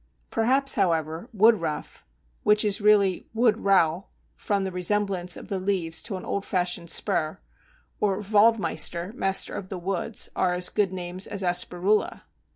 Perhaps, however, Woodruff (which is really "wood rowel," from the resemblance of the leaves to an old fashioned spur), or Waldmeister (master of the woods), are as good names as Asperula.